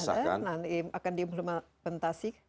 sudah ada nah ini akan diimplementasi